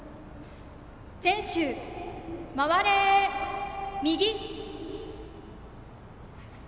選手、回れ右！